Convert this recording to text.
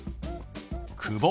「久保」。